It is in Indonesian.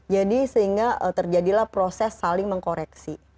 jadi sehingga terjadilah proses saling mengkoreksi